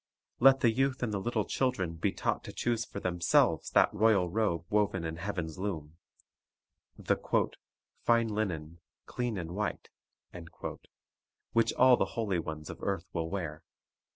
Let the youth and the little children be taught to choose for themselves that royal robe woven in heaven's loom, — the "fine linen, clean and white," 1 which all the holy ones of earth will wear.